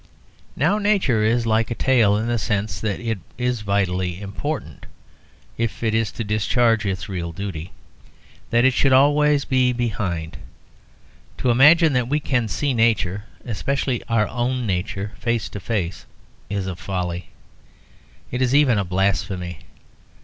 Now, nature is like a tail in the sense that it vitally important, if it is to discharge its real duty, that it should be always behind. To imagine that we can see nature, especially our own nature, face to face, is a folly; it is even a blasphemy.